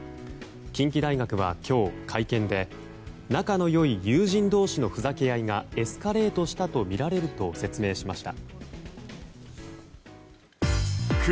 近畿大学は今日会見で仲の良い友人同士のふざけ合いがエスカレートしたとみられると説明しました。